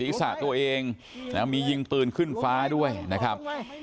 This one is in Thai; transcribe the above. ตัวเองมียิงปืนขึ้นฟ้าด้วยนะครับ